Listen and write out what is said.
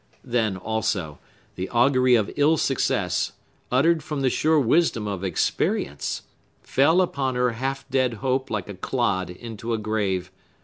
Then, also, the augury of ill success, uttered from the sure wisdom of experience, fell upon her half dead hope like a clod into a grave.